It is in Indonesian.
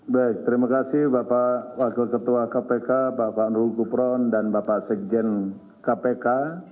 baik terima kasih bapak wakil ketua kpk bapak nurul gufron dan bapak sekjen kpk